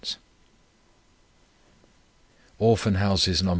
ORPHAN HOUSES NOS.